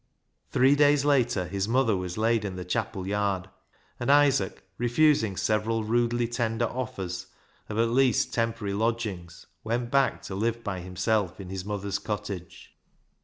Three days later, his mother was laid in the chapel yard, and Isaac, refusing several rudely tender offers of at least temporary lodgings, went back to live by himself in his mother's cottage.